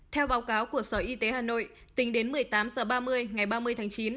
theo báo cáo của sở y tế hà nội tính đến một mươi tám h ba mươi ngày ba mươi tháng chín